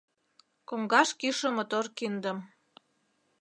Коҥгаш кӱшӧ мотор киндым